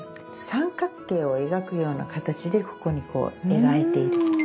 三角形を描くような形でここにこう描いている。